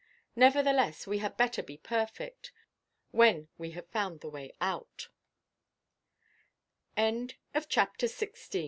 Nevertheless we had better be perfect—when we have found the way out. CHAPTER XVI